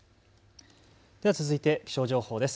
続いて気象情報です。